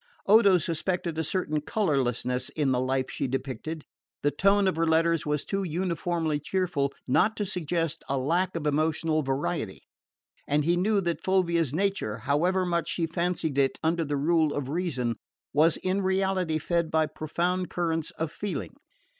Odo suspected a certain colourlessness in the life she depicted. The tone of her letters was too uniformly cheerful not to suggest a lack of emotional variety; and he knew that Fulvia's nature, however much she fancied it under the rule of reason, was in reality fed by profound currents of feeling.